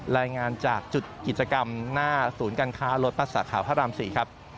รายงานจากจุดกิจกรรมหน้าศูนย์การค้ารถพัสสาขาพระราม๔ครับ